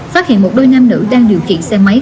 phát hiện một đôi nam nữ đang điều khiển xe máy